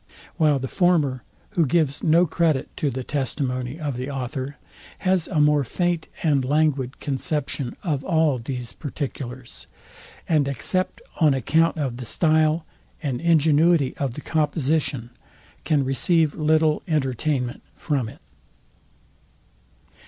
While the former, who gives no credit to the testimony of the author, has a more faint and languid conception of all these particulars; and except on account of the style and ingenuity of the composition, can receive little entertainment from it.